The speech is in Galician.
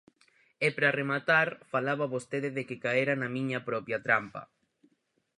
E, para rematar, falaba vostede de que caera na miña propia trampa.